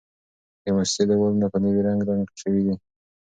د موسسې دېوالونه په نوي رنګ رنګ شوي دي.